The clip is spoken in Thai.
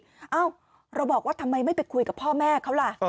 เอ้าเราบอกว่าทำไมไม่ไปคุยกับพ่อแม่เขาล่ะ